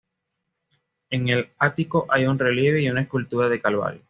En el ático hay un relieve y una escultura del Calvario.